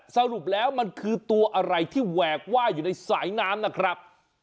สรุปแล้วมันคือตัวอะไรที่แหวกว่ายอยู่ในสายน้ำนะครับ